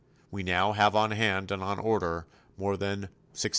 We now have on hand and on order more than 1,600.